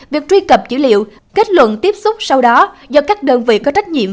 việc truy cập dữ liệu kết luận tiếp xúc sau đó do các đơn vị có trách nhiệm